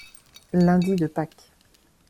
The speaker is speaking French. Lundi de Pâques.